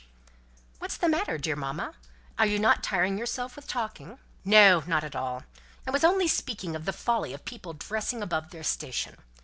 "What's the matter, dear mamma? Are not you tiring yourself with talking?" "No, not at all! I was only speaking of the folly of people dressing above their station.